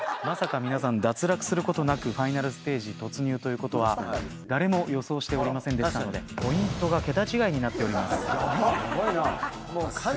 まさか皆さん脱落することなくファイナルステージ突入ということは誰も予想しておりませんでしたのでポイントが桁違いになっております。